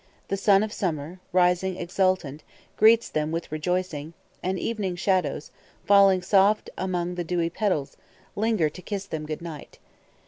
The sun of summer, rising exultant, greets them with rejoicing; and evening shadows, falling soft among the dewy petals, linger to kiss them good night.